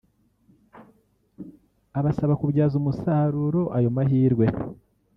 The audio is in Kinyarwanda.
abasaba kubyaza umusaruro ayo mahirwe